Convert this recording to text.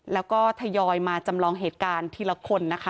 แล้วก็ทยอยมาจำลองเหตุการณ์ทีละคนนะคะ